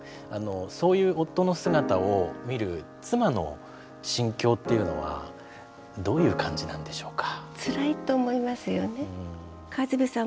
そういう夫の姿を見る妻の心境っていうのはどういう感じなんでしょうか？